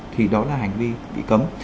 thì đó là hành vi bị cấm